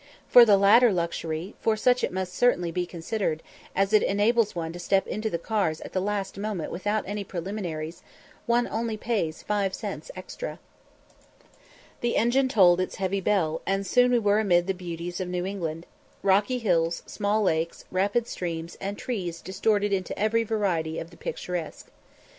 For the latter luxury, for such it must certainly be considered, as it enables one to step into the cars at the last moment without any preliminaries, one only pays five cents extra. The engine tolled its heavy bell, and soon we were amid the beauties of New England; rocky hills, small lakes, rapid streams, and trees distorted into every variety of the picturesque.